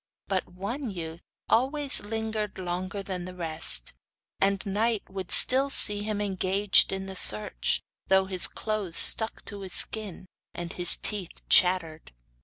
But one youth always lingered longer than the rest, and night would still see him engaged in the search, though his clothes stuck to his skin and his teeth chattered.